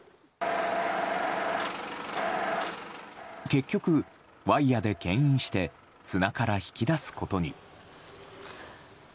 結局、ワイヤで牽引して砂から引き出すことに。